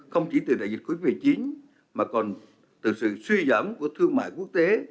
không chỉ từ đại dịch cuối tuyến về chiến mà còn từ sự suy giảm của thương mại quốc tế